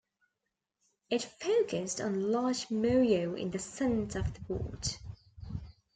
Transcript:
It focused on large moyo in the center of the board.